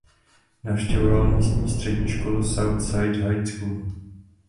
Navštěvoval místní střední školu South Side High School.